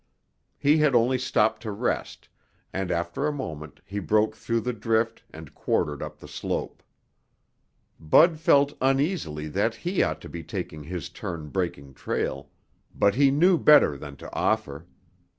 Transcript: He had only stopped to rest, and after a moment he broke through the drift and quartered up the slope. Bud felt uneasily that he ought to be taking his turn breaking trail, but he knew better than to offer.